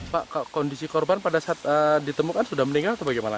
pak kondisi korban pada saat ditemukan sudah meninggal atau bagaimana